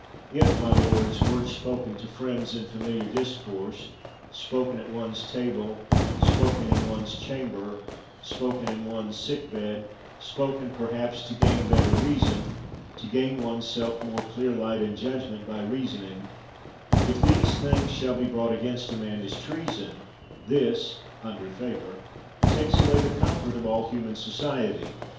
If, my lords, words spoken to friends in familiar dis course, spoken at one's table, spoken in one's chamber, spoken in one's sick bed, spoken, per haps, to gain better reason, to gain one's self more clear light and judgment by reasoning, — if these things shall be brought against a man as treason, this (under favor) takes away the comfort of all human society.